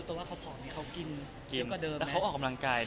เราไม่อยากให้เค้าบ่าวเอาออกกำลังกาย